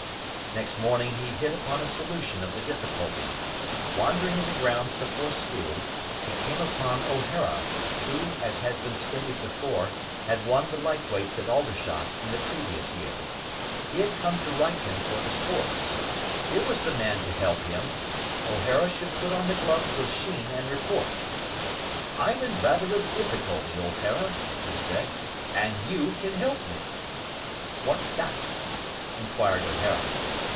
Next morning he hit upon a solution of the difficulty. Wandering in the grounds before school, he came upon O'Hara, who, as has been stated before, had won the Light Weights at Aldershot in the previous year. He had come to Wrykyn for the Sports. Here was the man to help him. O'Hara should put on the gloves with Sheen and report. "I'm in rather a difficulty, O'Hara," he said, "and you can help me." "What's that?" inquired O'Hara.